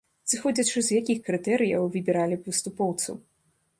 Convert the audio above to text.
Зыходзячы з якіх крытэрыяў выбіралі выступоўцаў?